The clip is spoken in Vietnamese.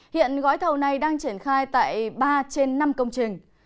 hiện gói thầu này đang triển khai tại ba trên năm công trình